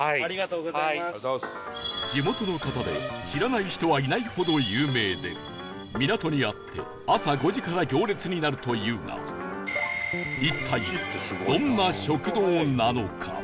地元の方で知らない人はいないほど有名で港にあって朝５時から行列になるというが一体どんな食堂なのか？